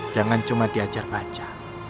jangan cuma diajar baca